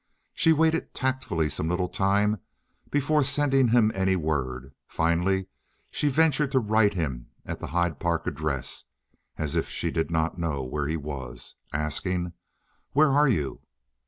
She waited tactfully some little time before sending him any word; finally she ventured to write to him at the Hyde Park address (as if she did not know where he was), asking, "Where are you?"